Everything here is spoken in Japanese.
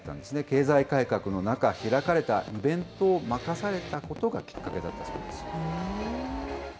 経済改革の中、開かれたイベントを任されたことがきっかけだったそうです。